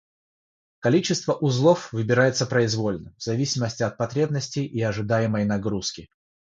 Количество узлов выбирается произвольно, в зависимости от потребностей и ожидаемой нагрузки